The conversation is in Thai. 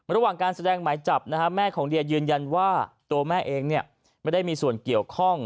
ระหว่างการแสดงหมายจับนะฮะแม่ของเดียยืนยันว่าตัวแม่เองไม่ได้มีส่วนเกี่ยวข้อง